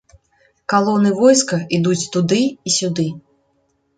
Калоны войска ідуць туды і сюды.